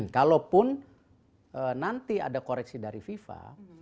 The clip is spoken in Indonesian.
kalaupun nanti ada koreksi dari fifa